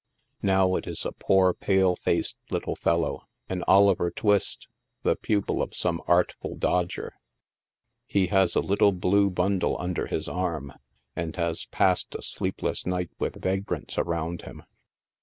Now it is a poor pale faced little fellow — an Oliver Twist — the pupil of some Artful Dodger. He has a little blue bundle un der his arm, and has passed a sleepless night with vagrants around him.